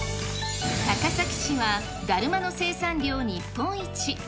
高崎市はだるまの生産量日本一。